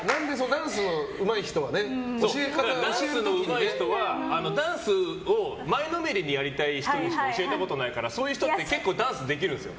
ダンスがうまい人はダンスに前のめりな人にしか教えたことないからそういう人って結構ダンスできるんですよ。